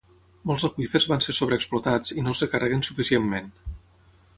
Molts aqüífers van ser sobreexplotats i no es recarreguen suficientment.